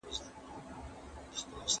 غاښونه د اسید له امله کمزوري کېږي.